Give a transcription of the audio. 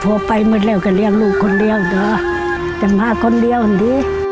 พ่อไปหมดแล้วเป็นลูกคนเดียวจะมาคนเดียวครั้งนี้